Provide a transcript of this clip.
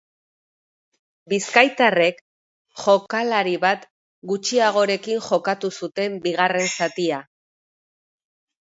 Bizkaitarrek jokalari bat gutxiagorekin jokatu zuten bigarren zatia.